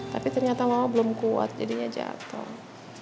tapi ternyata mama belum kuat jadinya jatuh